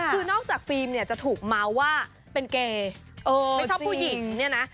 คือนอกจากฟรีมจะถูกม้าว่าเป็นเกย์ไม่ชอบผู้หญิง